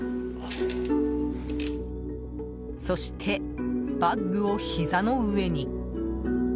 そして、バッグをひざの上に。